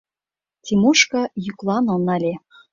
Тимошка йӱкланыл нале